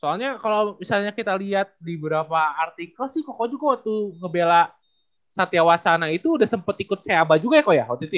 soalnya kalau misalnya kita lihat di beberapa artikel sih kokoh juga waktu ngebela satya wacana itu udah sempet ikut seaba juga ya kok ya